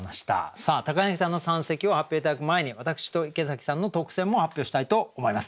さあ柳さんの三席を発表頂く前に私と池崎さんの特選も発表したいと思います。